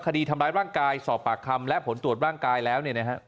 คดีทำร้ายร่างกายสอบปากคำและผลตรวจร่างกายแล้วเนี่ยนะฮะ